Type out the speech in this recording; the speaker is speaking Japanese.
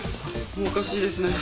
おかしいですね。